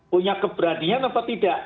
punya keberanian apa tidak